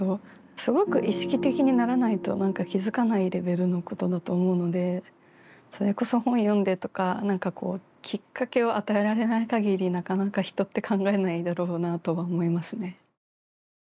すごく意識的にならないと何か気付かないレベルのことだと思うのでそれこそ本読んでとか何かこうきっかけを与えられないかぎりなかなか人って考えないだろうなとは思いますね。